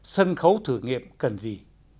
sân khấu thử nghiệm cần gì